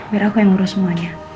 biar aku yang ngurus semuanya